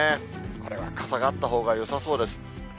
これは傘があったほうがよさそうです。